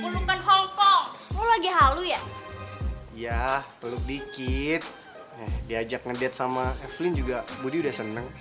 pelukan hongkong lu lagi halu ya ya peluk dikit diajak ngedat sama evelyn juga budi udah seneng